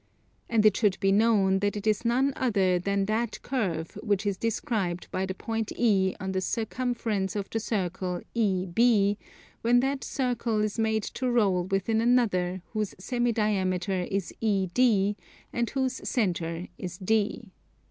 And it should be known that it is none other than that curve which is described by the point E on the circumference of the circle EB, when that circle is made to roll within another whose semi diameter is ED and whose centre is D.